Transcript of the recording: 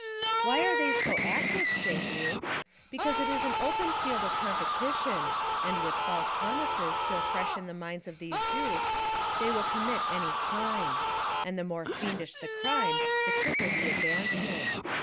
Why are the}' so active, say you. Because it is an open field of competition and with false promises still fresh in the minds of these dupes they will com mit any crime; and the more fiendish the crime the quicker the advancement.